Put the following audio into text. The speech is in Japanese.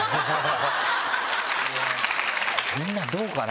みんなどうかな？